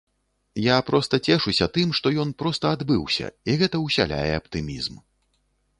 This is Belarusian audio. Я проста цешуся тым, што ён проста адбыўся, і гэта ўсяляе аптымізм.